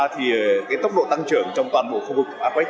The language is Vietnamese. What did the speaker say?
thì tốc độ tăng trưởng trong toàn bộ khu vực apec